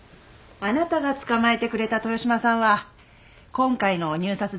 あなたが捕まえてくれた豊島さんは今回の入札談合のキーマンよ。